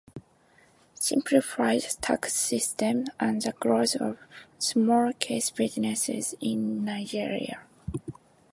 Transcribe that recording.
Simplified tax system and the growth of small-scale businesses in Nigeria.